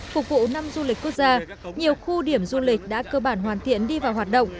phục vụ năm du lịch quốc gia nhiều khu điểm du lịch đã cơ bản hoàn thiện đi vào hoạt động